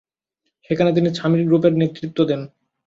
সেখানে তিনি সামিট গ্রুপের নেতৃত্ব দেন।